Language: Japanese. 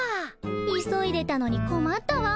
急いでたのにこまったわ。